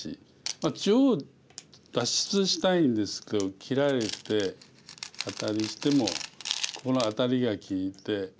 中央脱出したいんですけど切られてアタリしてもここのアタリが利いて止められて。